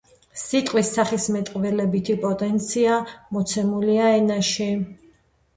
სიტყვის სახისმეტყველებითი პოტენცია მოცემულია ენაში